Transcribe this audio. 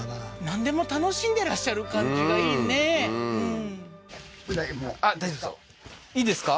なんでも楽しんでらっしゃる感じがいいね大丈夫ですか？